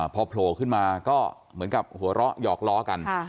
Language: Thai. พอโผล่ขึ้นมาก็เหมือนกับหัวเราะหยอกล้อกัน